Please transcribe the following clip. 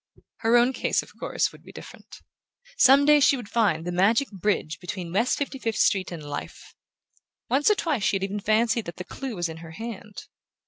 Her own case, of course, would be different. Some day she would find the magic bridge between West Fifty fifth Street and life; once or twice she had even fancied that the clue was in her hand.